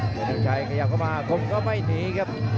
ทงชัยขยับเข้ามาคมก็ไม่หนีครับ